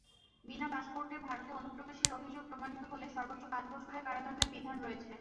বিনা পাসপোর্টে ভারতে অনুপ্রবেশের অভিযোগ প্রমাণিত হলে সর্বোচ্চ পাঁচ বছরের কারাদণ্ডের বিধান রয়েছে।